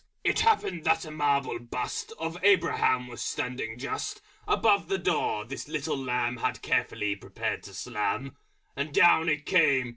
It happened that a Marble Bust Of Abraham was standing just Above the Door this little Lamb Had carefully prepared to Slam, And Down it came!